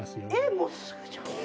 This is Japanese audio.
もうすぐじゃん。